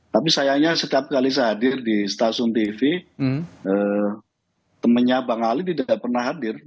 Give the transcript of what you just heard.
tapi sayangnya setiap kali saya hadir di stasiun tv temennya bang ali tidak pernah hadir